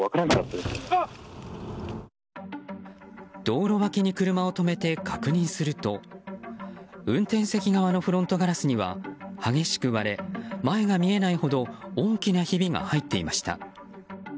道路脇に車を止めて確認すると運転席側のフロントガラスには激しく割れ前が見えないほど大きなひびが入っていました。